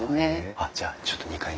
あっじゃあちょっと２階に。